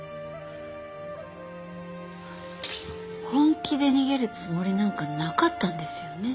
本気で逃げるつもりなんかなかったんですよね？